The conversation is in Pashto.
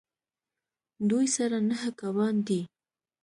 دوی سره نهه کبان دي